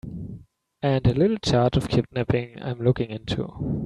And a little charge of kidnapping I'm looking into.